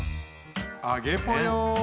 あげぽよ！